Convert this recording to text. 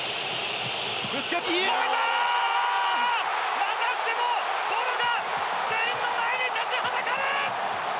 またしてもボノがスペインの前に立ちはだかる！